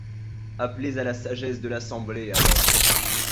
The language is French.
Appelez à la sagesse de l’Assemblée, alors